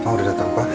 kamu sudah datang pak